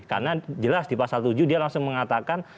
karena jelas di pasal tujuh dia langsung mengatakan